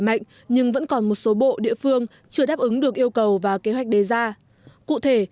mạnh nhưng vẫn còn một số bộ địa phương chưa đáp ứng được yêu cầu và kế hoạch đề ra cụ thể